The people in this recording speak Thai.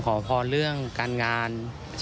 ขอพรเรื่องการงาน